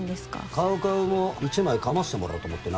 カウカウも一枚かましてもらおうと思ってな。